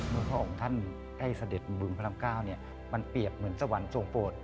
พระองค์ท่านให้เสด็จบึงพระราม๙มันเปรียบเหมือนสวรรค์ทรงโปรด